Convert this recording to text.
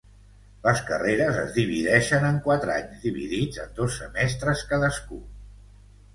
Les carreres es divideixen en quatre anys dividits en dos semestres cadascú.